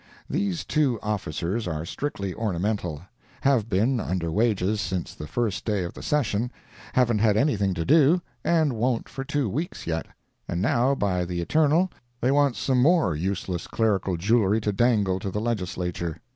[These two officers are strictly ornamental—have been under wages since the first day of the session—haven't had anything to do, and won't for two weeks yet—and now by the eternal, they want some more useless clerical jewelry to dangle to the Legislature.